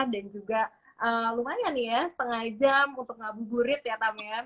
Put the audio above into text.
dan juga lumayan ya setengah jam untuk ngabuk gurit ya tam ya